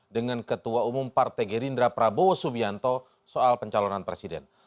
dengan ketua umum partai gerindra prabowo subianto soal pencalonan presiden